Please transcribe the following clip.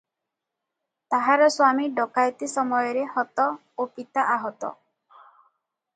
ତାହାର ସ୍ୱାମୀ ଡକାଏତି ସମୟରେ ହତ ଓ ପିତା ଆହତ ।